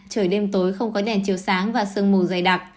trời đêm tối không có đèn chiều sáng và sương mù dày đặc